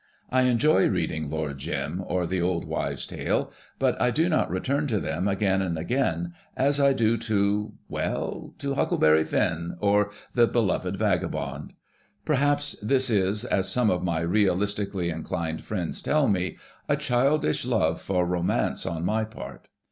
I enjoy reading 'Lord Jim,' or 'The Old Wives' Tale,' but I do not return to them again and again as I do to — well, to 'Huckleberry Finn' or 'The Beloved Vaga bond.' Perhaps this is, as some of my realistically inclined friends tell me, a childish love for romance on my part.